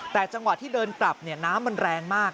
แต่จำความที่เดินกลับเนี่ยน้ำมันแรงมาก